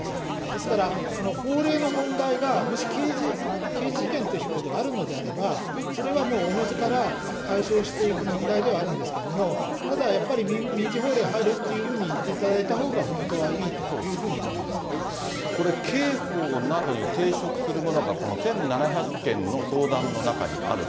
ですから、この法令の問題が、もし刑事事件としてということがあるのであれば、それはもう、おのずから、解消していく問題ではあるんですけれども、ただ、やっぱり民事法令入るっていうふうに言っていただいたほうが本当これ、刑法などに抵触するものが、１７００件の相談の中にある。